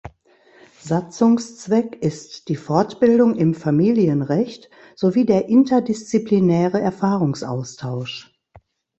Satzungszweck ist die Fortbildung im Familienrecht sowie der interdisziplinäre Erfahrungsaustausch.